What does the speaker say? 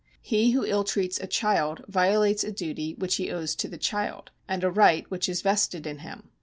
He who ill treats a child violates a duty which he owes to the child, and a right which is vested in him.